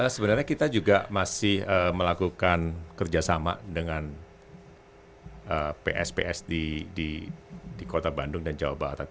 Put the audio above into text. sebenarnya kita juga masih melakukan kerjasama dengan ps ps di kota bandung dan jawa barat